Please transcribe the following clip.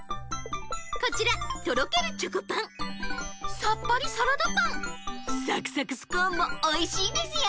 こちらとろけるチョコパンさっぱりサラダパンさくさくスコーンもおいしいですよ！